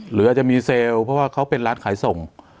หรืออาจจะมีเซลล์เพราะว่าเขาเป็นร้านขายส่ง